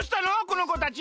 この子たち。